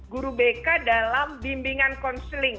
guru bk dalam bimbingan konseling